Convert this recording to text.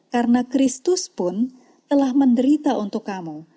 karena kristus pun telah menderita untuk kamu